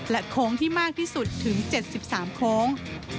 โค้งที่มากที่สุดถึง๗๓โค้ง